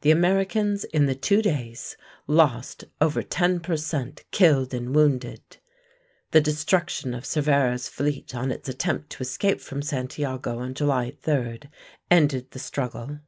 The Americans in the two days lost over 10 per cent killed and wounded. The destruction of Cervera's fleet on its attempt to escape from Santiago on July 3 ended the struggle.